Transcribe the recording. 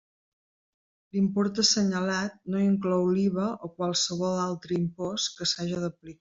L'import assenyalat no inclou l'IVA o qualsevol altre impost que s'haja d'aplicar.